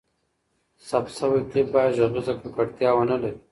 ثبت شوی کلیپ باید ږغیزه ککړتیا ونه لري.